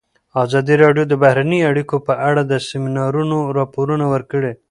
ازادي راډیو د بهرنۍ اړیکې په اړه د سیمینارونو راپورونه ورکړي.